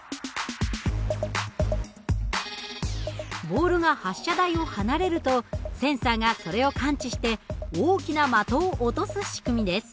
ボールが発射台を離れるとセンサーがそれを感知して大きな的を落とす仕組みです。